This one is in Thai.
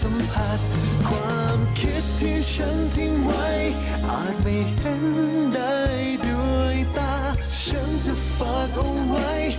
มันได้ด้วยตาฉันจะฝากเอาไว้